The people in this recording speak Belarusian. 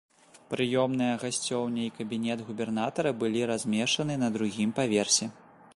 Прыёмная, гасцёўня і кабінет губернатара былі размешаны на другім паверсе.